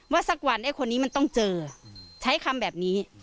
สักวันไอ้คนนี้มันต้องเจอใช้คำแบบนี้